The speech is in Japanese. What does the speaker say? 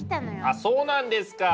あそうなんですか。